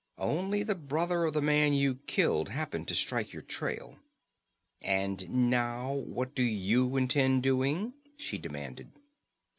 Only the brother of the man you killed happened to strike your trail." "And now what do you intend doing?" she demanded.